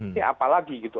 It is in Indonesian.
ini apalagi gitu